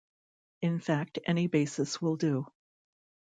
In fact, any basis will do.